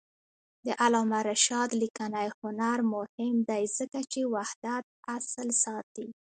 د علامه رشاد لیکنی هنر مهم دی ځکه چې وحدت اصل ساتي.